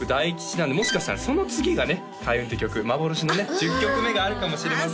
なんでもしかしたらその次がね「開運」って曲幻のね１０曲目があるかもしれませんね